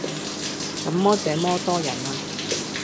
怎麼這麼多人呀？